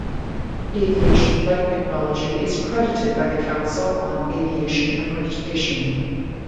Aviation Flight Technology is accredited by the Council on Aviation Accreditation.